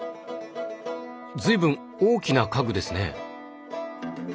随分大きな家具ですね。